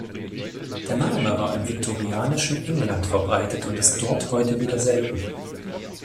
Der Name war im viktorianischen England verbreitet und ist dort heute wieder selten.